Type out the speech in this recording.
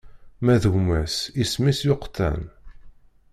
Ma d gma-s isem-is Yuqtan.